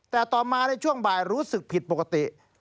แต่ต่อมาในช่วงบ่ายรู้สึกผิดปกติ